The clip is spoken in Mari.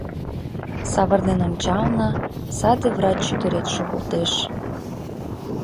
Савырнен ончална — саде врач ӱдырет шогылтеш.